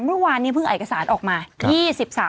เมื่อวานนี้เพิ่งเอกสารออกมา